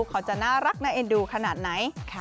เขาจะน่ารักในเอ็นดูขนาดไหนค่ะ